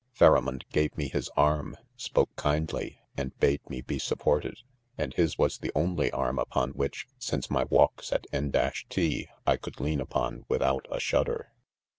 'Pharamond gave me his arm ; spoke kind ly ? and bade me be supported j and his was the only arm upon' which, since my walks at N — 1 ? I could lean upon without. a shudder.